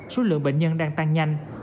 số lượng bệnh nhân đang tăng nhanh